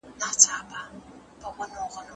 خلګ ولې په طبقو وېشل کیږي؟